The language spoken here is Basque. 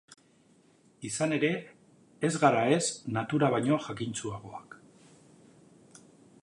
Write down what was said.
Izan ere, ez gara ez natura baino jakintsuagoak.